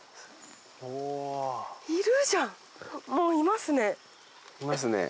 いるじゃんもういますね。